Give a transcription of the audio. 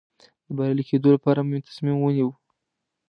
د بریالي کېدو لپاره مې تصمیم ونیو.